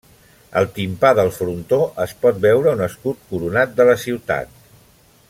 Al timpà del frontó es pot veure un escut coronat de la ciutat.